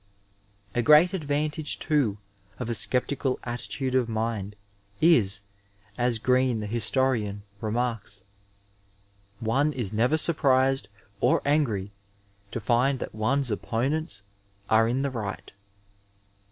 A great advantage, too, of a sceptical attitude of mind is, as Oreen the historian re marks, " One is never very surprised or angry to find that one's opponents are in the right."